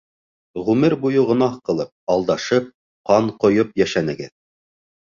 Ғүмер буйы гонаһ ҡылып, алдашып, ҡан ҡойоп йәшәнегеҙ.